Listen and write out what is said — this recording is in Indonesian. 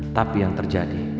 tapi yang terjadi